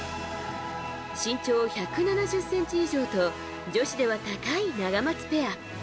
身長１７０ｃｍ以上と女子では高いナガマツペア。